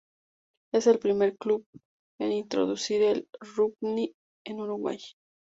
Es el primer club en introducir el rugby en Uruguay.